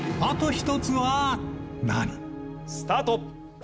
スタート。